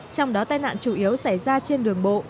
trong đó tai nạn chủ yếu xảy ra trên đường bộ